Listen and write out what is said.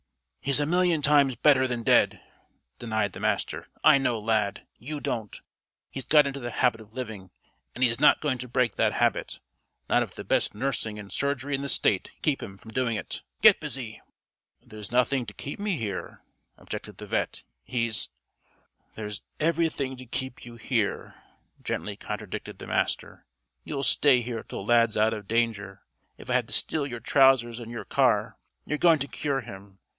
"He's a million times better than dead," denied the Master. "I know Lad. You don't. He's got into the habit of living, and he's not going to break that habit, not if the best nursing and surgery in the State can keep him from doing it. Get busy!" "There's nothing to keep me here," objected the vet'. "He's " "There's everything to keep you here," gently contradicted the Master. "You'll stay here till Lad's out of danger if I have to steal your trousers and your car. You're going to cure him.